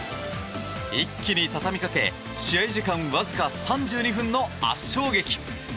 一気に畳みかけ試合時間わずか３２分の圧勝劇。